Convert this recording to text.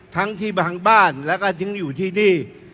ทั้งที่บางบ้านแล้วก็ทิ้งอยู่ที่นี่